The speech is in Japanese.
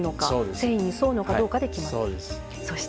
繊維に沿うのかどうかで決まって。